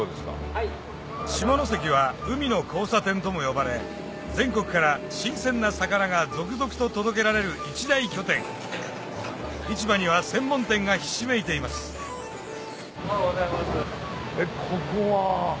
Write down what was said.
・はい・下関は海の交差点とも呼ばれ全国から新鮮な魚が続々と届けられる一大拠点市場には専門店がひしめいていますおはようございます。